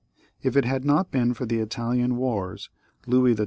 If it had not been for the Italian wars, Louis XII.